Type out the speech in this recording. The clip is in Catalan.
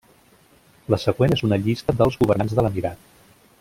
La següent és una llista dels governants de l'emirat.